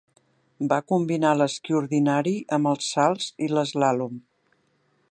Va combinar l'esquí ordinari amb els salts i l'eslàlom.